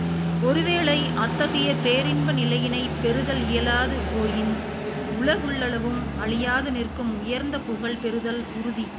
ஒருவேளை அத்தகைய பேரின்ப நிலையினைப் பெறுதல் இயலாது போயின், உலகுள்ளளவும் அழியாது நிற்கும் உயர்ந்த புகழ் பெறுதல் உறுதி.